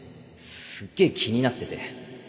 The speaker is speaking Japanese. すっげえ気になってて